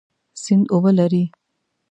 سیند اوبه لري.